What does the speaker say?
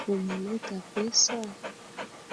Umeleta pesa?